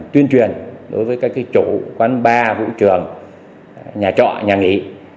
tuyên truyền đối với các chủ quán bar vũ trường nhà trọ nhà nghỉ